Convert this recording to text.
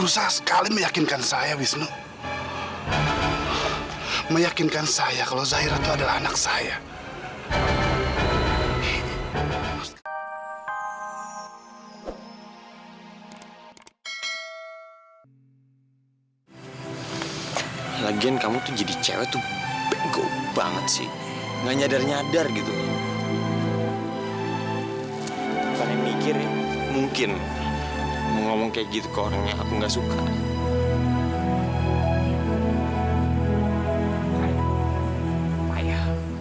sampai jumpa di video selanjutnya